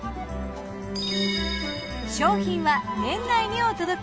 商品は年内にお届け。